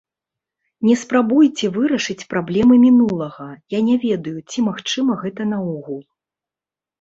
Не спрабуйце вырашыць праблемы мінулага, я не ведаю, ці магчыма гэта наогул.